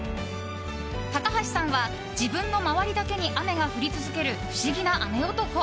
高橋さんは自分の周りだけに雨が降り続けるふしぎな雨男。